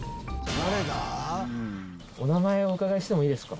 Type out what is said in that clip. お名前お伺いしてもいいですか？